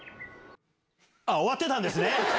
ああ、終わってたんですね。